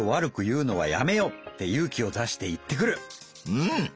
うん！